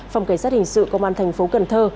phòng cảnh sát hình sự công an thành phố cần thơ